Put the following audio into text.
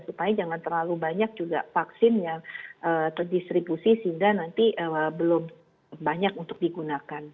supaya jangan terlalu banyak juga vaksin yang terdistribusi sehingga nanti belum banyak untuk digunakan